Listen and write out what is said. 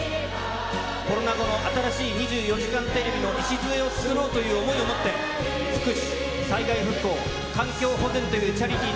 コロナ後の新しい２４時間テレビの礎を作ろうという思いを持って、福祉、災害復興、環境保全というチャリティー